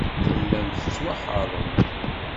Tellam tettwaḥeṛṛem.